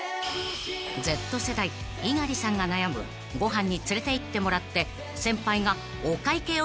［Ｚ世代猪狩さんが悩むご飯に連れていってもらって先輩がお会計をしているときの適切な対応は］